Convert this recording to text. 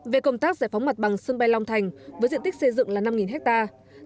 về công tác giải phóng mặt bằng sân bay long thành với diện tích xây dựng là năm hectare